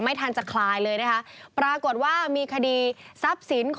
ไม่ทันจะคลายเลยนะคะปรากฏว่ามีคดีทราบสินของญาติ